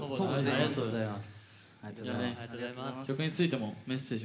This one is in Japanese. ありがとうございます。